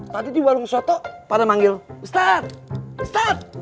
tadi di warung suatu pada manggil ustadz ustadz